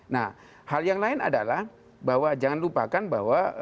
nah hal yang lain adalah bahwa jangan lupakan bahwa